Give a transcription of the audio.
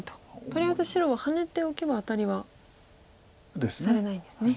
とりあえず白はハネておけばアタリは。ですね。